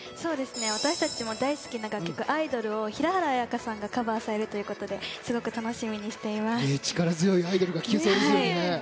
私たちも大好きな楽曲「アイドル」を平原綾香さんがカバーされるということで力強い「アイドル」が聴けそうですね。